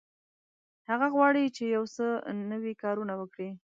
هغه غواړي چې یو څه نوي کارونه وکړي.